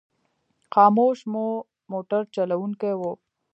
خاموش مو موټر چلوونکی و.